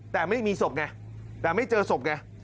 แต่ไม่มีศพไงแต่ไม่เจอศพไง